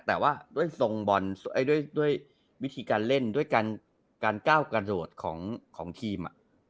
แต่ว่าด้วยวิธีการเล่นด้วยการก้าวกระโดดของทีม